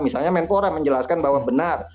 misalnya menpora menjelaskan bahwa benar